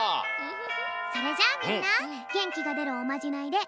それじゃあみんなげんきがでるおまじないでおわかれだよ。